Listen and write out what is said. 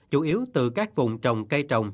chủ yếu từ các vùng trồng cây trồng